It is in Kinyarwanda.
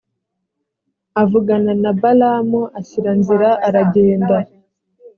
avugana na balamu ashyira nzira aragenda